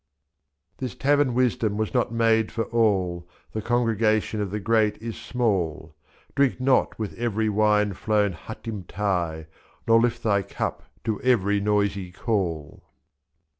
This tavern wisdom was not made for all. The congregation of the great is small, 2s5.Drink not with every wine flown Hatim Tai, Nor lift thy cup to every noisy call.